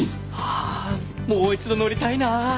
ああもう一度乗りたいなあ。